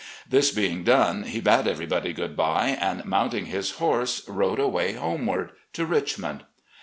This being done, he bade everybody good bye, and, mormting his horse, rode away homeward — ^to Richmond.